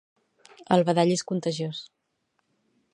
El badall és contagios